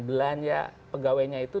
belanja pegawainya itu